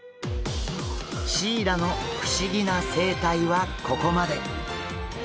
シイラの不思議な生態はここまで。